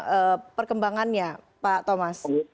apa perkembangannya pak thomas